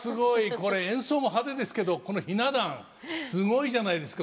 これ演奏も派手ですけどこのひな壇すごいじゃないですか！